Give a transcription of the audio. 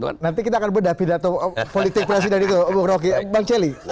nanti kita akan berdapidato politik presiden itu bang celi